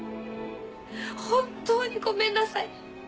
本当にごめんなさい。